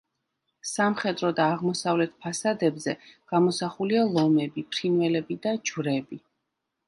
სამხედრო და აღმოსავლეთ ფასადებზე გამოსახულია ლომები, ფრინველები და ჯვრები.